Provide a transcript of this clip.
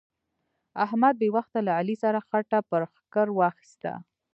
احمد بې وخته له علي سره خټه پر ښکر واخيسته.